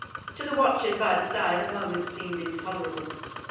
To the watchers by the stye the moments seemed intolerable.